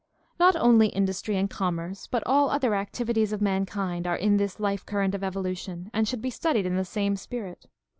— Not only industry and commerce but all other activities of mankind are in this life current of evolution and should be studied in the sarfie spirit.